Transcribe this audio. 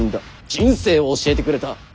人生を教えてくれた。